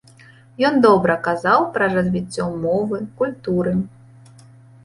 Ён добра казаў пра развіццё мовы, культуры.